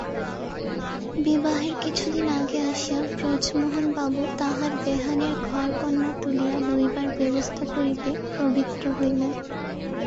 বিবাহের কিছুদিন আগে আসিয়া ব্রজমোহনবাবু তাঁহার বেহানের ঘরকন্না তুলিয়া লইবার ব্যবস্থা করিতে প্রবৃত্ত হইলেন।